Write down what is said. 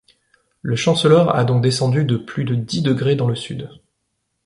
Le Chancellor a donc descendu de plus de dix degrés dans le sud.